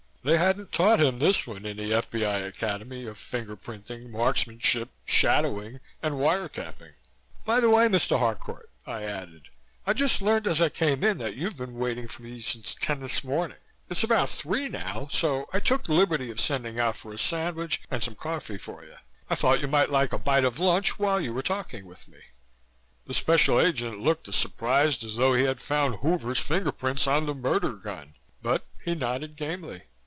They hadn't taught him this one in the F.B.I. academy of finger printing, marksmanship, shadowing and wire tapping. "By the way, Mr. Harcourt," I added, "I just learned as I came in that you've been waiting for me since ten this morning. It's after three now so I took the liberty of sending out for a sandwich and some coffee for you. I thought you might like a bite of lunch while you are talking with me." The Special Agent looked as surprised as though he had found Hoover's fingerprints on the murder gun, but he nodded gamely.